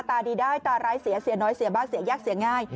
ตาดีได้ตาร้ายเสียเสียน้อยเสียบ้างเสียยากเสียง่าย